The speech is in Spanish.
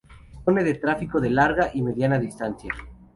Dispone de tráfico de Larga y Media Distancia.